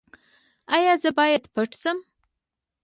ایا زه باید پټ شم؟